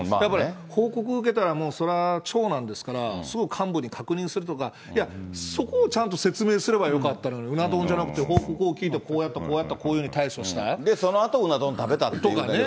報告受けたら、もうそれは長なんですから、すぐ幹部に確認するとか、いや、そこをちゃんと説明すればよかったのに、うな丼じゃなくて、報告を聞いてこうやってこうやって、こういうそのあと、うな丼食べたとかね。